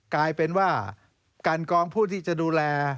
กลายเป็นว่ากันกองผู้ที่จะดูแล